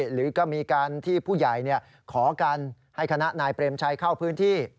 หรือก็มีการที่ผู้ใหญ่ขอกันให้คณะนายเปรมชัยเข้าพื้นที่